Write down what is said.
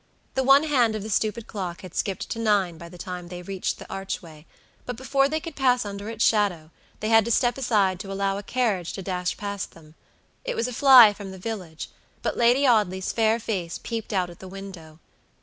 The one hand of the stupid clock had skipped to nine by the time they reached the archway; but before they could pass under its shadow they had to step aside to allow a carriage to dash past them. It was a fly from the village, but Lady Audley's fair face peeped out at the window.